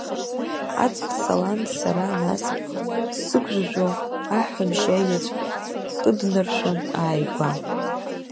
Аҵх салан сара нас сыгәжәажәо, аҳәҳәабжь аеҵә кыднаршәон ааигәа.